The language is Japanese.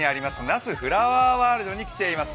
那須フラワーワールドに来ています。